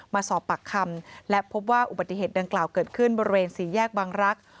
มาสอบปากคำและพบว่าอุบัติเหตุดังกล่าวเกิดขึ้นบริเวณสี่แยกบังรักษ์